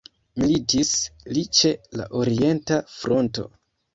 Militis li ĉe la orienta fronto.